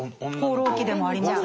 「放浪記」でもありました。